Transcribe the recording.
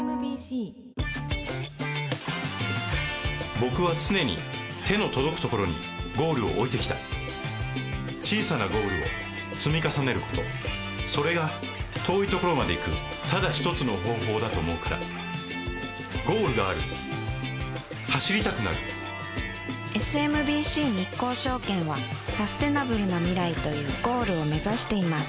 僕は常に手の届くところにゴールを置いてきた小さなゴールを積み重ねることそれが遠いところまで行くただ一つの方法だと思うからゴールがある走りたくなるＳＭＢＣ日興証券はサステナブルな未来というゴールを目指しています